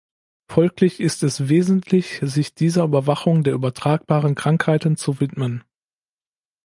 Folglich ist es wesentlich, sich dieser Überwachung der übertragbaren Krankheiten zu widmen.